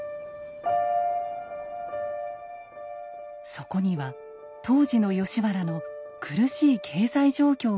そこには当時の吉原の苦しい経済状況がありました。